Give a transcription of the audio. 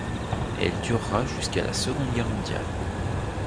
Elle durera jusqu'à la Seconde Guerre mondiale.